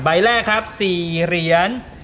ใบแรกครับ๔เหรียญ